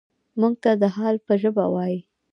موږ ته د حال په ژبه وايي.